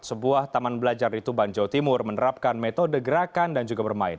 sebuah taman belajar di tuban jawa timur menerapkan metode gerakan dan juga bermain